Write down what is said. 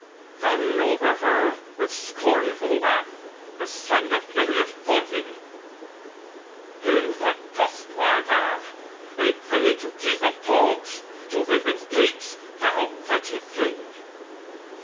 Then over her with scornful laugh the son Of Peleus vaunted: "In the dust lie there A prey to teeth of dogs, to ravens' beaks, Thou wretched thing!